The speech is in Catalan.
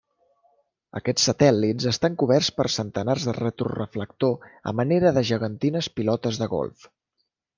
Aquests satèl·lits estan coberts per centenars de retroreflector a manera de gegantines pilotes de golf.